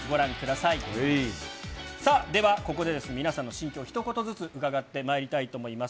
さあ、ではここでですね、皆さんの心境をひと言ずつ伺ってまいりたいと思います。